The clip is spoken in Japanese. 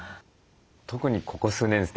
特にここ数年ですね